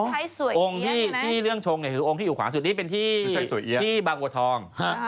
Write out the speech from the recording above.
ท้ายสวยเยอะนะรูปอยู่ขวาข้างล่างเป็นที่บางโสธอง